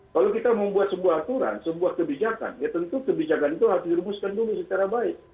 kalau kita membuat sebuah aturan sebuah kebijakan ya tentu kebijakan itu harus dirumuskan dulu secara baik